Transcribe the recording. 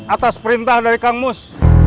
atas perintah dari kang mus